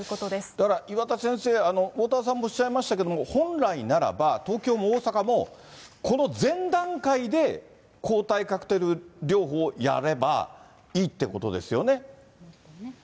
だから岩田先生、おおたわさんもおっしゃいましたけども、本来ならば東京も大阪も、この前段階で抗体カクテル療法をやればいいっていうことですよね。